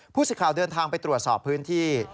สิทธิ์เดินทางไปตรวจสอบพื้นที่